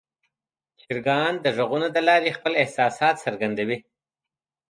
چرګان د غږونو له لارې خپل احساسات څرګندوي.